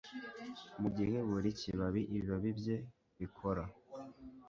Mugihe buri kibabi ibibabi bye bikora